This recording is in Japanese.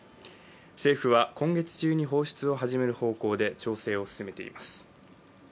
政府は今月中に放出を始める方向で調整を進めています。